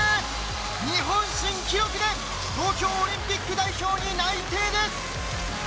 日本新記録で東京オリンピック代表に内定です！